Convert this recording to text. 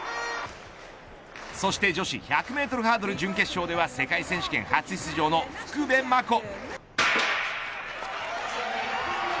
そして女子１００メートルハードル準決勝では世界選手権初出場の福部真子。